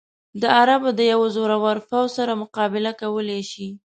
د عربو د یوه زورور پوځ سره مقابله کولای شي.